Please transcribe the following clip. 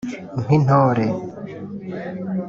Nk’intore